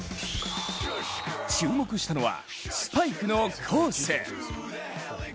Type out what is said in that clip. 注目したのはスパイクのコース。